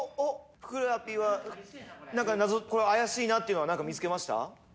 ふくらＰは何か謎これ怪しいなっていうのは何か見つけました？